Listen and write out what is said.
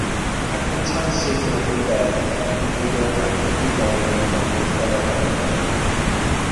Ac yntau'n saethwr di-feth, ni pheidiodd ag ymddiddori mewn gweithgareddau gwledig.